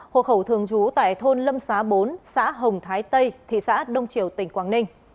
hộ khẩu thường trú tại thôn lâm xá bốn xã hồng thái tây thị xã đông triều tỉnh quảng ninh